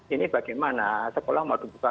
ini bagaimana sekolah mau dibuka